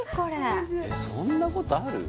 えっそんなことある？